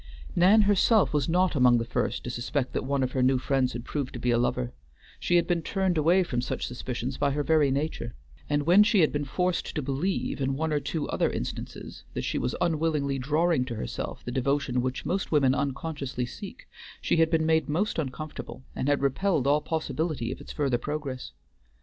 Nan herself was not among the first to suspect that one of her new friends had proved to be a lover; she had been turned away from such suspicions by her very nature; and when she had been forced to believe in one or two other instances that she was unwillingly drawing to herself the devotion which most women unconsciously seek, she had been made most uncomfortable, and had repelled all possibility of its further progress.